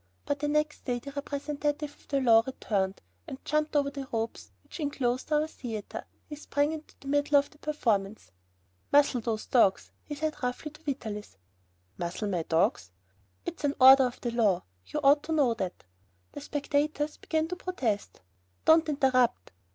But the next day the representative of the law returned, and jumping over the ropes which inclosed our theater, he sprang into the middle of the performance. "Muzzle those dogs," he said roughly to Vitalis. "Muzzle my dogs!" "It's an order of the law, you ought to know that!" The spectators began to protest. "Don't interrupt!"